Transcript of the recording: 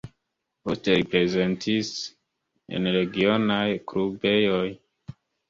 Poste li prezentis en regionaj klubejoj.